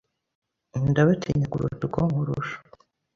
Ndabatinya kuruta uko nkurusha.